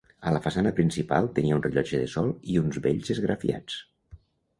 A la façana principal tenia un rellotge de sol i uns bells esgrafiats.